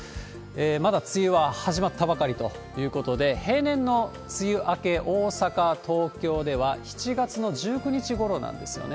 まだ梅雨は始まったばかりということで、平年の梅雨明け、大阪、東京では７月の１９日ごろなんですよね。